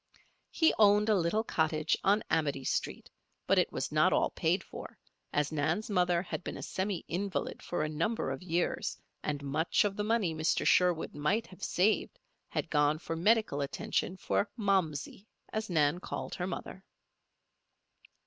He owned a little cottage on Amity Street; but it was not all paid for, as Nan's mother had been a semi invalid for a number of years and much of the money Mr. Sherwood might have saved, had gone for medical attention for "Momsey," as Nan called her mother.